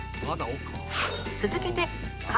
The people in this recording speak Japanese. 続けて「か」